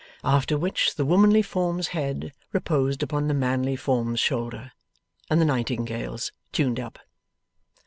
after which the womanly form's head reposed upon the manly form's shoulder, and the nightingales tuned up.